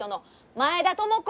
前田知子！